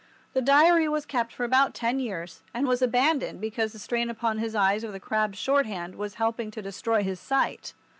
The Diary was kept for about ten years, and was abandoned because the strain upon his eyes of the crabbed shorthand was helping to destroy his sight.